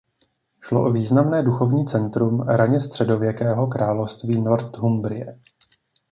Šlo o významné duchovní centrum raně středověkého království Northumbrie.